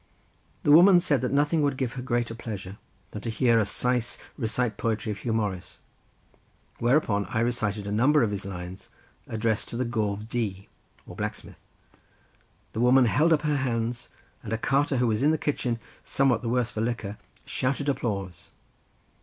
The woman said that nothing would give her greater pleasure than to hear a Sais recite poetry of Huw Morris, whereupon I recited a number of his lines addressed to the Gôf Du, or blacksmith. The woman held up her hands, and a carter who was in the kitchen, somewhat the worse for liquor, shouted applause.